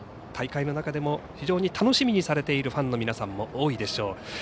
大会の中でも非常に楽しみにされているファンの皆さんも多いでしょう。